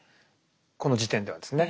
この時点ではですね。